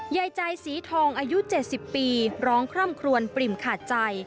ยายใจสีทองอายุ๗๐ปีร้องคร่ำครวนปริ่มขาดใจ